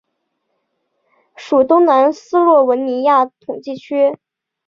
属东南斯洛文尼亚统计区。